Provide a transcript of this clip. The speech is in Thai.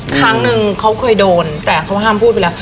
ครั้งนึงเขาเคยโดนแต่เขาห้ามพูดไปแล้ว